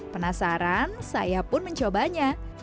penasaran saya pun mencobanya